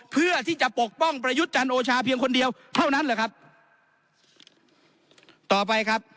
เพื่อที่จะปกป้องประยุทธ์จันทร์โอชาเพียงคนเดียวเท่านั้นแหละครับต่อไปครับ